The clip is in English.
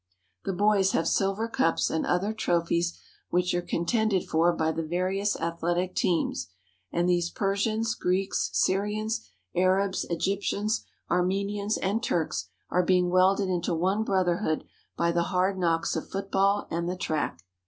The boys have silver cups and other trophies which are contended for by the various athletic teams, and these Persians, Greeks, Syrians, Arabs, Egyptians, Armenians, and Turks are being welded into one brotherhood by the hard knocks of football and the track.